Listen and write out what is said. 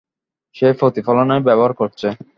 সে প্রতিফলনের ব্যবহার করছে।